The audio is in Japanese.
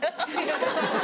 ハハハハ。